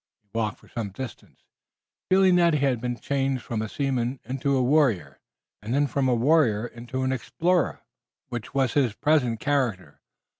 He walked for some distance, feeling that he had been changed from a seaman into a warrior, and then from a warrior into an explorer, which was his present character.